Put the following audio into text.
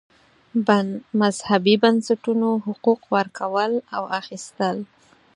مذهبي بنسټونو حقوق ورکول او اخیستل.